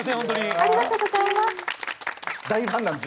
ありがとうございます。